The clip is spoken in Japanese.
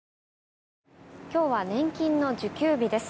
今日は年金の受給日です。